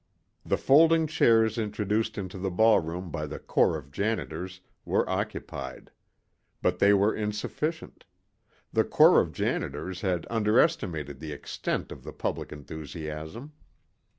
The folding chairs introduced into the ball room by the corps of janitors were occupied. But they were insufficient. The corps of janitors had underestimated the extent of the public enthusiasm.